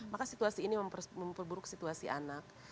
maka situasi ini memperburuk situasi anak